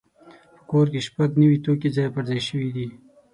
په کور کې شپږ نوي توکي ځای پر ځای شوي دي.